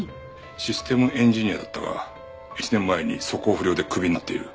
システムエンジニアだったが１年前に素行不良でクビになっている。